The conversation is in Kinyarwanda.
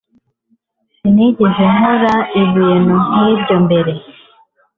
Sinigeze nkora ibintu nkibyo mbere